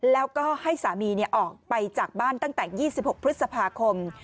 แล้วก็ให้สามีออกไปจากบ้านตั้งแต่๒๖พฤษภาคม